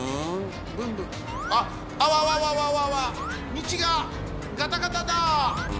みちがガタガタだ！